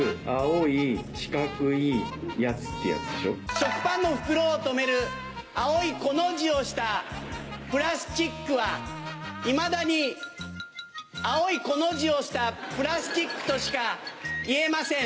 食パンの袋を留める青いコの字をしたプラスチックはいまだに「青いコの字をしたプラスチック」としか言えません。